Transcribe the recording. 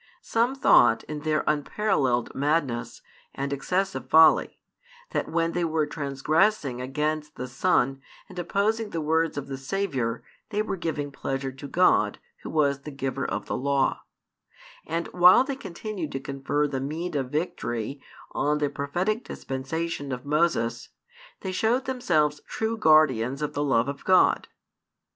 Some thought in their unparalleled madness and excessive folly, that when they were transgressing against the Son, and opposing the words of the Saviour, they were giving pleasure to God, Who was the Giver of the Law; and while they continued to confer the meed of victory on the prophetic dispensation of Moses, they showed themselves true guardians of the love of God.